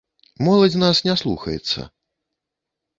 Моладзь нас не слухаецца.